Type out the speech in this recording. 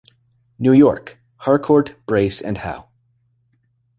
New York: Harcourt, Brace and Howe.